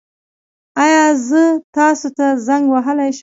ایا زه تاسو ته زنګ وهلی شم؟